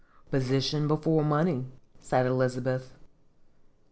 '"" Position before money," said Elizabeth.